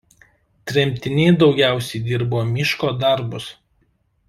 Tremtiniai daugiausia dirbo miško darbus.